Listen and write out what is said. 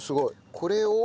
これを？